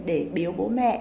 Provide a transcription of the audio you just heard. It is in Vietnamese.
để biếu bố mẹ